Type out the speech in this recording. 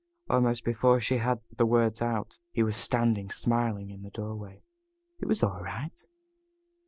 Almost before she had the words out he was standing smiling in the doorway. It was all right.